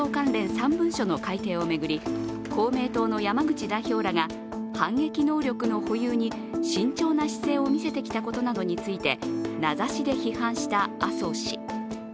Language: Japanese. ３文書の改定を巡り、公明党の山口代表らが、反撃能力の保有に慎重な姿勢を見せてきたことなどについて、名指しで批判した麻生氏。